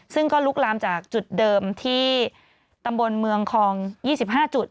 ซึ่งก็ลุกลามจากจุดเดิมที่ตำบลเมืองคลอง๒๕จุด